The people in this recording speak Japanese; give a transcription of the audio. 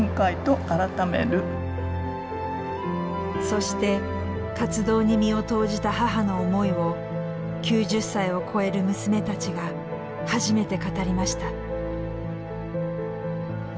そして活動に身を投じた母の思いを９０歳を超える娘たちが初めて語りました。